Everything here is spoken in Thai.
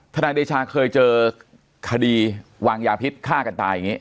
นายเดชาเคยเจอคดีวางยาพิษฆ่ากันตายอย่างนี้